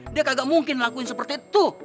dia kagak mungkin lakuin seperti itu